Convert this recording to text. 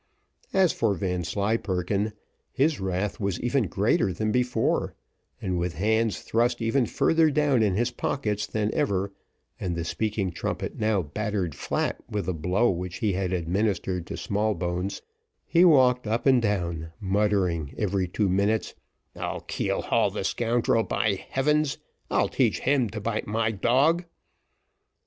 As for Vanslyperken, his wrath was even greater than before, and with hands thrust even further down in his pockets than ever, and the speaking trumpet now battered flat with the blow which he had administered to Smallbones, he walked up and down, muttering every two minutes, "I'll keel haul the scoundrel, by heavens! I'll teach him to bite my dog."